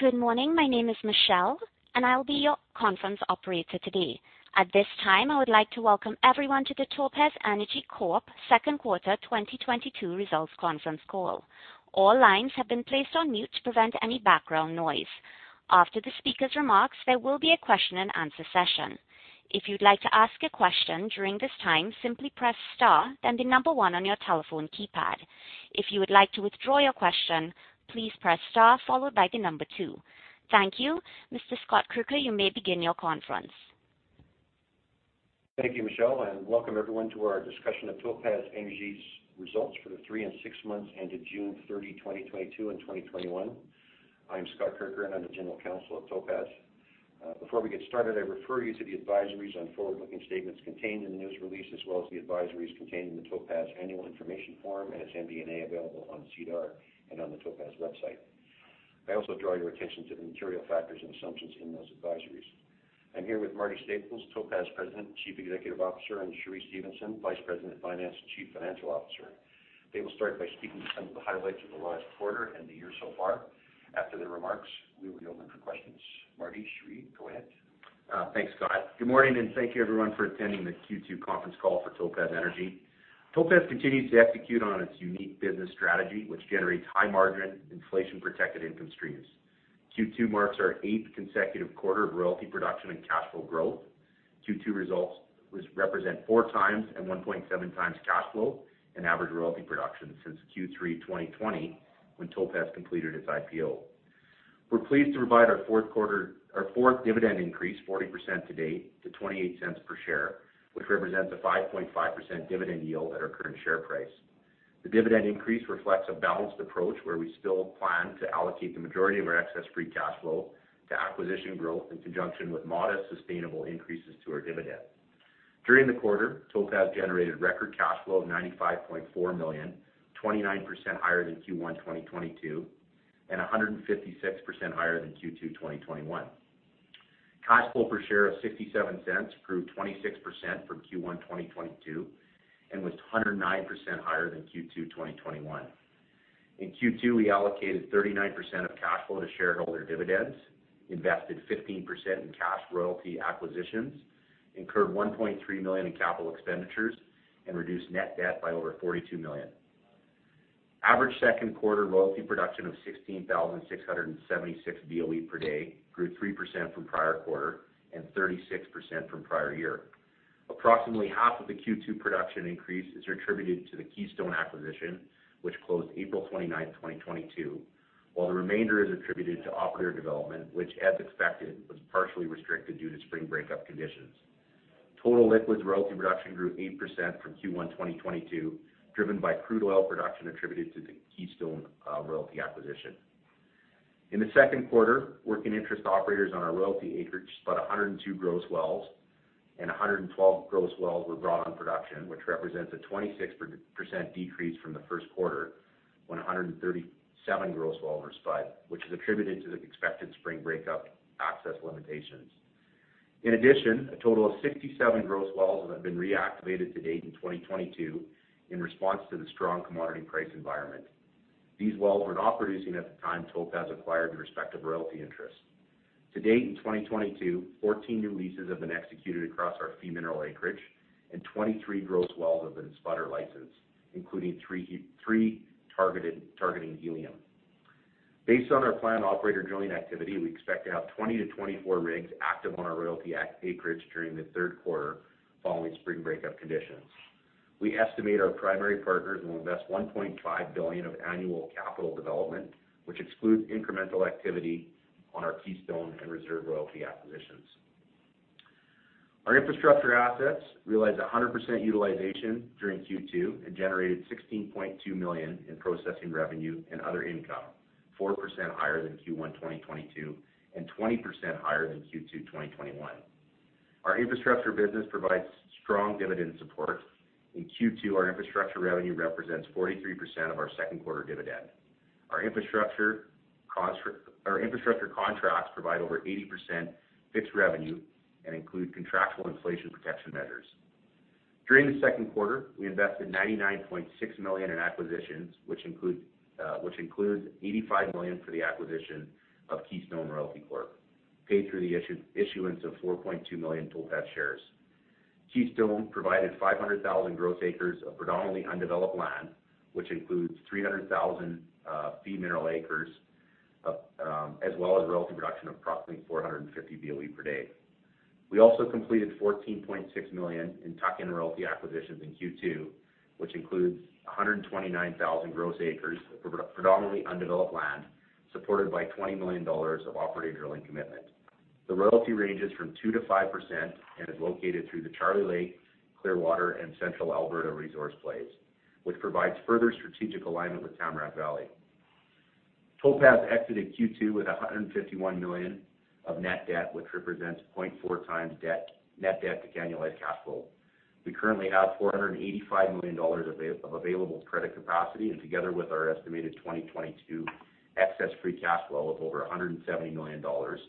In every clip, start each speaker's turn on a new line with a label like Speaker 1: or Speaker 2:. Speaker 1: Good morning. My name is Michelle, and I will be your conference operator today. At this time, I would like to welcome everyone to the Topaz Energy Corp second quarter 2022 results conference call. All lines have been placed on mute to prevent any background noise. After the speaker's remarks, there will be a question-and-answer session. If you'd like to ask a question during this time, simply press star then the number one on your telephone keypad. If you would like to withdraw your question, please press star followed by the number two. Thank you. Mr. Scott Kirker, you may begin your conference.
Speaker 2: Thank you, Michelle, and welcome everyone to our discussion of Topaz Energy's results for the three and six months ended June 30, 2022 and 2021. I am Scott Kirker, and I'm the General Counsel of Topaz. Before we get started, I refer you to the advisories on forward-looking statements contained in the news release as well as the advisories contained in the Topaz annual information form and its MD&A available on SEDAR and on the Topaz website. I also draw your attention to the material factors and assumptions in those advisories. I'm here with Marty Staples, Topaz President and Chief Executive Officer, and Cheree Stephenson, Vice President of Finance and Chief Financial Officer. They will start by speaking to some of the highlights of the last quarter and the year so far. After their remarks, we will be open for questions. Marty, Cheree, go ahead.
Speaker 3: Thanks, Scott. Good morning, and thank you everyone for attending the Q2 conference call for Topaz Energy. Topaz continues to execute on its unique business strategy, which generates high margin, inflation-protected income streams. Q2 marks our eighth consecutive quarter of royalty production and cash flow growth. Q2 results represent 4x and 1.7x cash flow and average royalty production since Q3 2020, when Topaz completed its IPO. We're pleased to provide our fourth dividend increase 40% to date to 0.28 per share, which represents a 5.5% dividend yield at our current share price. The dividend increase reflects a balanced approach where we still plan to allocate the majority of our excess free cash flow to acquisition growth in conjunction with modest, sustainable increases to our dividend. During the quarter, Topaz generated record cash flow of 95.4 million, 29% higher than Q1 2022, and 156% higher than Q2 2021. Cash flow per share of 0.67 grew 26% from Q1 2022 and was 109% higher than Q2 2021. In Q2, we allocated 39% of cash flow to shareholder dividends, invested 15% in cash royalty acquisitions, incurred 1.3 million in capital expenditures, and reduced net debt by over 42 million. Average second quarter royalty production of 16,676 BOE per day grew 3% from prior quarter and 36% from prior year. Approximately half of the Q2 production increase is attributed to the Keystone acquisition, which closed April 29, 2022, while the remainder is attributed to operator development, which as expected, was partially restricted due to spring breakup conditions. Total liquids royalty production grew 8% from Q1 2022, driven by crude oil production attributed to the Keystone royalty acquisition. In the second quarter, working interest operators on our royalty acreage spud 102 gross wells, and 112 gross wells were brought on production, which represents a 26% decrease from the first quarter, when 137 gross wells were spud, which is attributed to the expected spring breakup access limitations. In addition, a total of 67 gross wells have been reactivated to date in 2022 in response to the strong commodity price environment. These wells were not producing at the time Topaz acquired the respective royalty interest. To date in 2022, 14 new leases have been executed across our fee mineral acreage, and 23 gross wells have been spud or licensed, including three targeting helium. Based on our planned operator drilling activity, we expect to have 20-24 rigs active on our royalty acreage during the third quarter following spring breakup conditions. We estimate our primary partners will invest 1.5 billion of annual capital development, which excludes incremental activity on our Keystone and reserve royalty acquisitions. Our infrastructure assets realized 100% utilization during Q2 and generated 16.2 million in processing revenue and other income, 4% higher than Q1 2022 and 20% higher than Q2 2021. Our infrastructure business provides strong dividend support. In Q2, our infrastructure revenue represents 43% of our second quarter dividend. Our infrastructure contracts provide over 80% fixed revenue and include contractual inflation protection measures. During the second quarter, we invested 99.6 million in acquisitions, which includes 85 million for the acquisition of Keystone Royalty Corp, paid through the issuance of 4.2 million Topaz shares. Keystone provided 500,000 gross acres of predominantly undeveloped land, which includes 300,000 fee mineral acres, as well as royalty production of approximately 450 BOE per day. We also completed 14.6 million in tuck-in royalty acquisitions in Q2, which includes 129,000 gross acres of predominantly undeveloped land, supported by 20 million dollars of operating drilling commitment. The royalty ranges from 2%-5% and is located through the Charlie Lake, Clearwater, and Central Alberta resource plays, which provides further strategic alignment with Tamarack Valley. Topaz exited Q2 with 151 million of net debt, which represents 0.4x net debt to annualized cash flow. We currently have 485 million dollars of available credit capacity, and together with our estimated 2022 excess free cash flow of over 170 million dollars,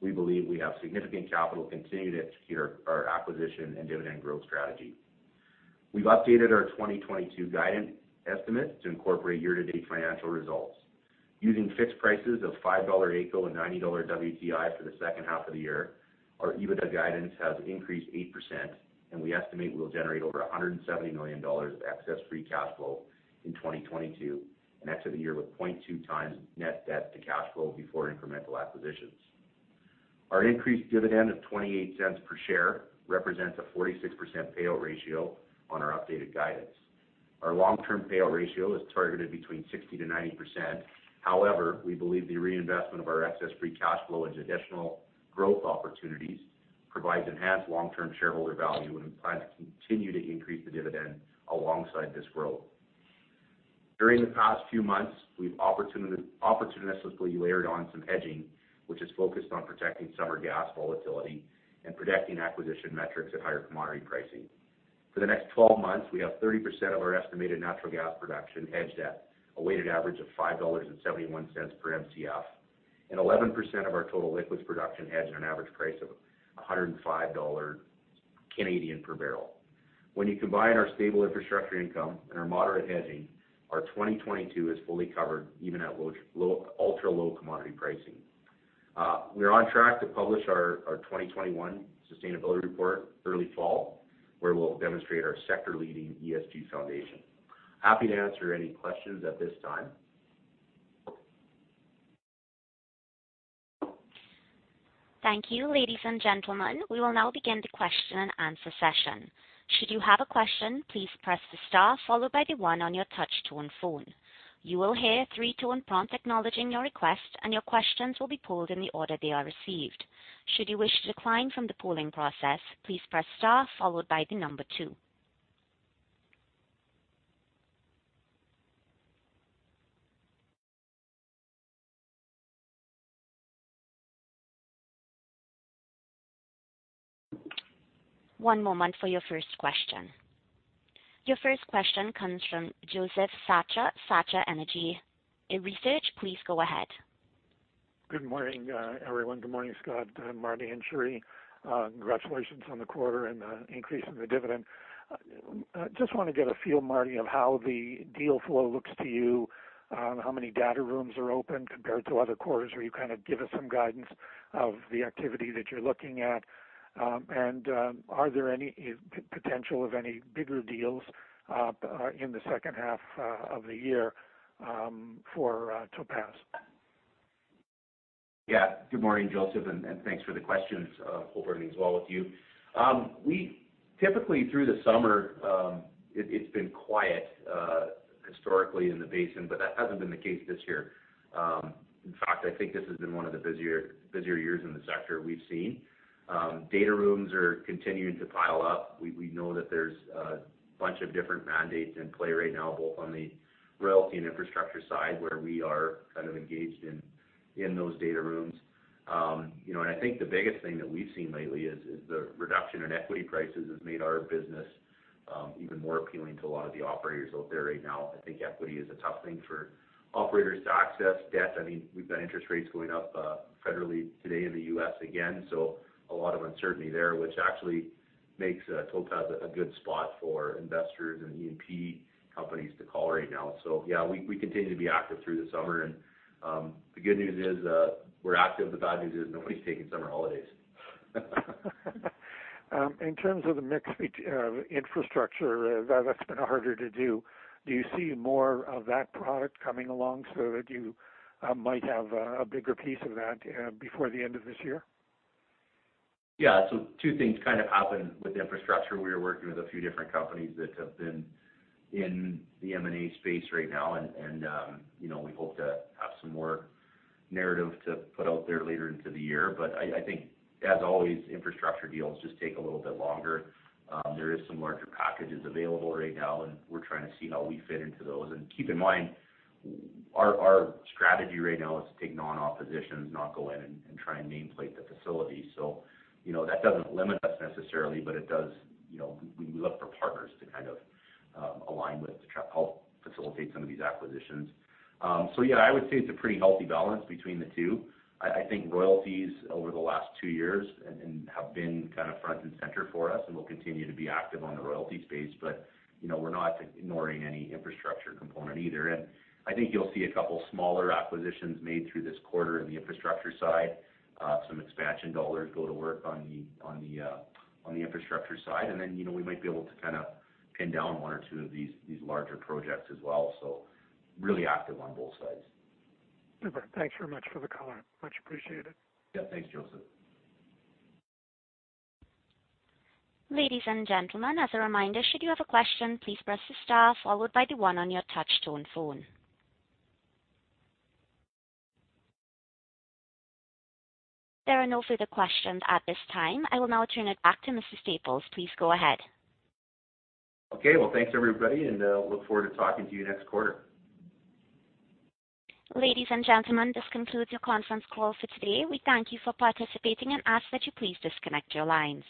Speaker 3: we believe we have significant capital to continue to execute our acquisition and dividend growth strategy. We've updated our 2022 guidance estimate to incorporate year-to-date financial results. Using fixed prices of 5 dollar AECO and $90 WTI for the second half of the year, our EBITDA guidance has increased 8%, and we estimate we will generate over 170 million dollars of excess free cash flow in 2022 and exit the year with 0.2x net debt to cash flow before incremental acquisitions. Our increased dividend of 0.28 per share represents a 46% payout ratio on our updated guidance. Our long-term payout ratio is targeted between 60%-90%. However, we believe the reinvestment of our excess free cash flow into additional growth opportunities provides enhanced long-term shareholder value, and we plan to continue to increase the dividend alongside this growth. During the past few months, we've opportunistically layered on some hedging, which is focused on protecting summer gas volatility and protecting acquisition metrics at higher commodity pricing. For the next 12 months, we have 30% of our estimated natural gas production hedged at a weighted average of 5.71 dollars per Mcf and 11% of our total liquids production hedged at an average price of 105 Canadian dollars per barrel. When you combine our stable infrastructure income and our moderate hedging, our 2022 is fully covered even at ultra-low commodity pricing. We're on track to publish our 2021 sustainability report early fall, where we'll demonstrate our sector-leading ESG foundation. Happy to answer any questions at this time.
Speaker 1: Thank you, ladies and gentlemen. We will now begin the question-and-answer session. Should you have a question, please press the star followed by the one on your touch tone phone. You will hear three-tone prompt acknowledging your request, and your questions will be pulled in the order they are received. Should you wish to decline from the polling process, please press star followed by the number two. One moment for your first question. Your first question comes from Josef Schachter, Schachter Energy Research. Please go ahead.
Speaker 4: Good morning, everyone. Good morning, Scott, Marty, and Cheree. Congratulations on the quarter and increase in the dividend. I just wanna get a feel, Marty, of how the deal flow looks to you, how many data rooms are open compared to other quarters. Will you kinda give us some guidance of the activity that you're looking at? Are there any potential of any bigger deals in the second half of the year for Topaz?
Speaker 3: Yeah. Good morning, Josef, and thanks for the questions. Hope everything's well with you. Typically, through the summer, it's been quiet historically in the basin, but that hasn't been the case this year. In fact, I think this has been one of the busier years in the sector we've seen. Data rooms are continuing to pile up. We know that there's a bunch of different mandates in play right now, both on the royalty and infrastructure side, where we are kind of engaged in those data rooms. You know, I think the biggest thing that we've seen lately is the reduction in equity prices has made our business even more appealing to a lot of the operators out there right now. I think equity is a tough thing for operators to access debt. I mean, we've got interest rates going up federally today in the U.S. again, so a lot of uncertainty there, which actually makes Topaz a good spot for investors and E&P companies to call right now. Yeah, we continue to be active through the summer. The good news is, we're active. The bad news is nobody's taking summer holidays.
Speaker 4: In terms of the mix, infrastructure, that's been harder to do. Do you see more of that product coming along so that you might have a bigger piece of that before the end of this year?
Speaker 3: Yeah. Two things kind of happen with infrastructure. We are working with a few different companies that have been in the M&A space right now, and you know, we hope to have some more narrative to put out there later into the year. I think, as always, infrastructure deals just take a little bit longer. There is some larger packages available right now, and we're trying to see how we fit into those. Keep in mind, our strategy right now is to take non-op positions, not go in and try and nameplate the facility. You know, that doesn't limit us necessarily, but it does. You know, we look for partners to kind of align with to help facilitate some of these acquisitions. Yeah, I would say it's a pretty healthy balance between the two. I think royalties over the last two years and have been kind of front and center for us, and we'll continue to be active on the royalty space. You know, we're not ignoring any infrastructure component either. I think you'll see a couple smaller acquisitions made through this quarter in the infrastructure side. Some expansion dollars go to work on the infrastructure side. You know, we might be able to kinda pin down one or two of these larger projects as well. Really active on both sides.
Speaker 4: Super. Thanks very much for the color. Much appreciated.
Speaker 3: Yeah. Thanks, Josef.
Speaker 1: Ladies and gentlemen, as a reminder, should you have a question, please press the star followed by the one on your touch tone phone. There are no further questions at this time. I will now turn it back to Mr. Staples. Please go ahead.
Speaker 3: Okay. Well, thanks everybody, and look forward to talking to you next quarter.
Speaker 1: Ladies and gentlemen, this concludes your conference call for today. We thank you for participating and ask that you please disconnect your lines.